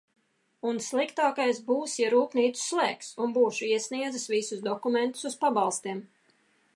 Un sliktākais būs, ja rūpnīcu slēgs un būšu iesniedzis visus dokumentus uz pabalstiem.